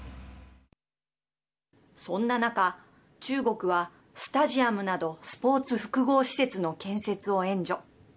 そんな中中国は、スタジアムなどスポーツ複合施設の建設を援助。